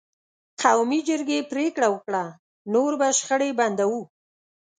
قومي جرګې پرېکړه وکړه: نور به شخړې بندوو.